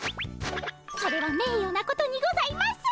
それはめいよなことにございます！